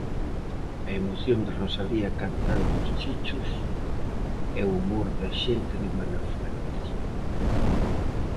A emoción de Rosalía cantando aos chichos, e humor da xente de Buenafuente.